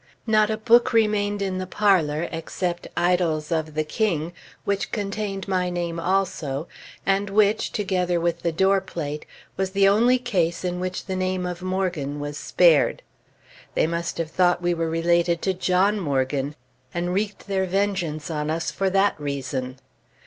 Not a book remained in the parlor, except "Idyls of the King," that contained my name also, and which, together with the door plate, was the only case in which the name of Morgan was spared. They must have thought we were related to John Morgan, and wreaked their vengeance on us for that reason.